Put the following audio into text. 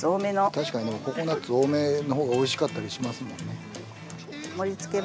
確かにココナッツ多めのほうがおいしかったりしますもんね。